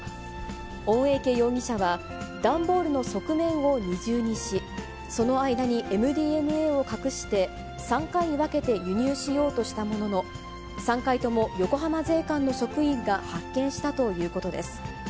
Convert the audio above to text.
オンエイケ容疑者は段ボールの側面を二重にし、その間にＭＤＭＡを隠して、３回に分けて輸入しようとしたものの、３回とも横浜税関の職員が発見したということです。